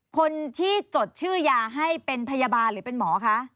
คนที่จดชื่อยาให้เป็นพยาบาลหรือเป็นหมอคะ